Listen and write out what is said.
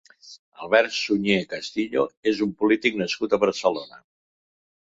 Albert Sunyer Castillo és un polític nascut a Barcelona.